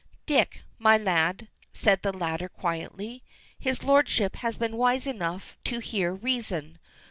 "Dick, my lad," said the latter quietly, "his lordship has been wise enough to hear reason.